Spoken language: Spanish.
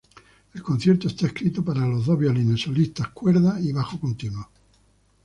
El concierto está escrito para los dos violines solistas, cuerdas y bajo continuo.